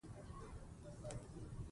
سندرې د ټولنیزو اړیکو ملاتړ کوي.